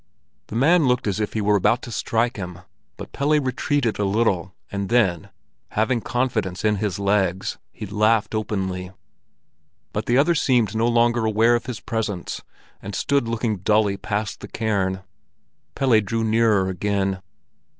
The man looked as if he were about to strike him, and Pelle retreated a little, and then, having confidence in his legs, he laughed openly. But the other seemed no longer aware of his presence, and stood looking dully past the cairn. Pelle drew nearer again.